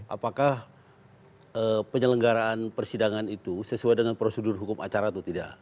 apakah penyelenggaraan persidangan itu sesuai dengan prosedur hukum acara atau tidak